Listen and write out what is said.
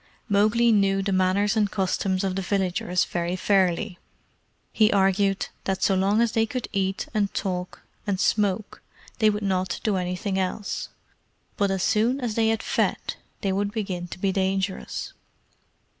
Mowgli knew the manners and customs of the villagers very fairly. He argued that so long as they could eat, and talk, and smoke, they would not do anything else; but as soon as they had fed they would begin to be dangerous.